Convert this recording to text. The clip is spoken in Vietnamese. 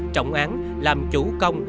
trọng án làm chủ công